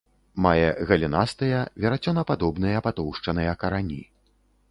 Мае галінастыя, верацёнападобныя патоўшчаныя карані.